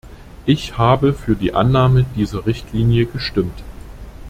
Ich habe für die Annahme dieser Richtlinie gestimmt.